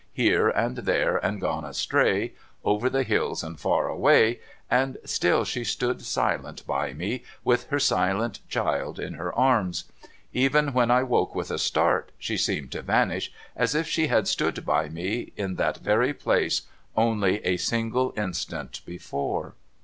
Here and there and gone astray, Over the hills and far away, and still she stood silent by me, with her silent child in her arms. Even when I woke with a start, she seemed to vanish, as if she had stood by me in that very place only a single instant before.